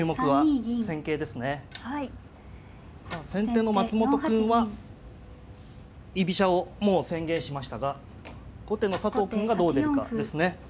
先手の松本くんは居飛車をもう宣言しましたが後手の佐藤くんがどう出るかですね。